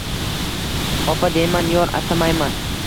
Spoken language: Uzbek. Opa deyman, yor atamayman;